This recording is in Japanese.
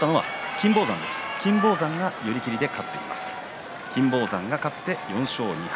金峰山が勝って４勝２敗。